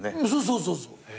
そうそうそうそう。